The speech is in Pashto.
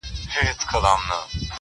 ښه دی چي ونه درېد ښه دی چي روان ښه دی~